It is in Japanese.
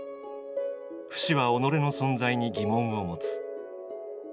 フシは己の存在に疑問を持つ。